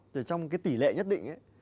trong cái tỉ lệ nhất định ấy